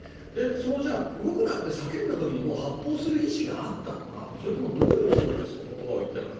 その動くなって叫んだ時には発砲する意思があったのかそれとも、どういうつもりでそういう言葉を言ったのか。